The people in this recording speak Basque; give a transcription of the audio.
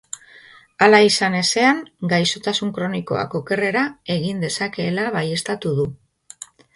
Hala izan ezean, gaixotasun kronikoak okerrera egin dezakeela baieztatu du.